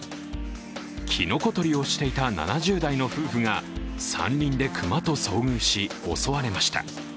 きのこ採りをしていた７０代の夫婦が山林で熊と遭遇し、襲われました。